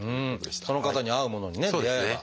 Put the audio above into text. その方に合うものにね出会えば。